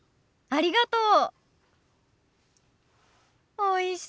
ありがとう。